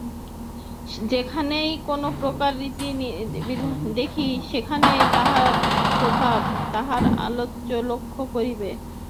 যেখানেই কোনপ্রকার নীতির বিধান দেখিবে, সেখানেই তাঁহার প্রভাব, তাঁহার আলোক লক্ষ্য করিবে।